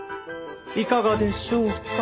いかがでしょうか？